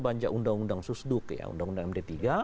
banjir undang undang susduk undang undang md tiga